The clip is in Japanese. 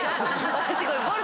私これ。